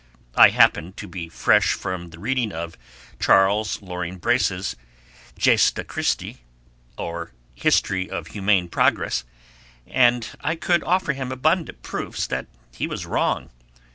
I happened to be fresh from the reading of Charles Loring Brace's 'Gesta Christi'; or, 'History of Humane Progress', and I could offer him abundant proofs that he was wrong.